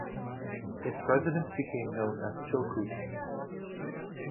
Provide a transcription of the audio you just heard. Its residents became known as "Chilkoot".